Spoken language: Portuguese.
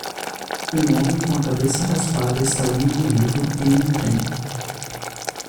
Um homem com a cabeça raspada está lendo um livro em um trem.